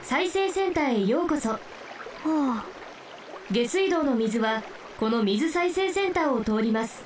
下水道の水はこの水再生センターをとおります。